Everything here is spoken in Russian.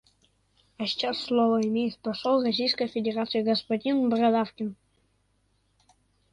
А сейчас слово имеет посол Российской Федерации господин Бородавкин.